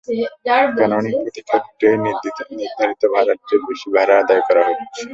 কেননা, এখন প্রতিটি রুটেই নির্ধারিত ভাড়ার চেয়ে বেশি ভাড়া আদায় করা হচ্ছে।